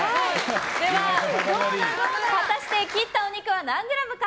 では、果たして切ったお肉は何グラムか。